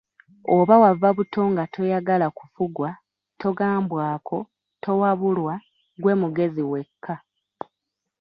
Oba wava buto nga toyagala kufugwa, togambwako, towabulwa, ggwe mugezi wekka.